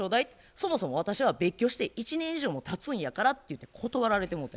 そもそも私は別居して１年以上もたつんやから」ってゆうて断られてもうて。